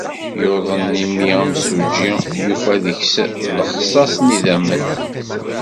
Yuḍen imi amsujji yufa deg-s lixṣaṣ n yidammen.